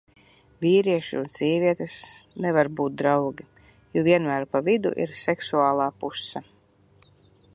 Vīrieši un sievietes nevar būt draugi, jo vienmēr pa vidu ir seksuālā puse.